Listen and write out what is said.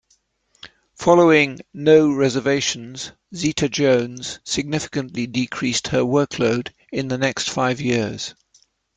Following "No Reservations", Zeta-Jones significantly decreased her workload in the next five years.